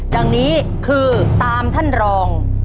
ดังนี้คือตามท่านรอง